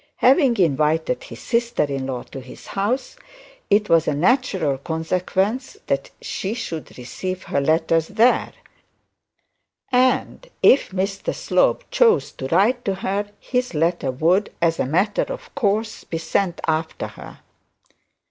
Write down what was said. Having invited his sister in law to his house, it was a natural consequence of that she should receive her letters there. And if Mr Slope chose to write to her, his letter would, as a matter of course, be sent after her.